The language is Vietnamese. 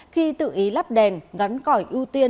khi tự ý lắp đèn ngắn cỏi ưu tiên